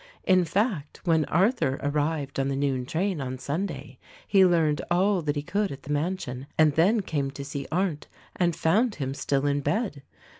In fact, when Arthur arrived on the noon train on Sun day he learned all that he could at the mansion and then came to see Arndt, and found him still in bed.